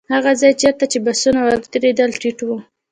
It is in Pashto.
هغه ځای چېرته چې بسونه ودرېدل ټيټ و.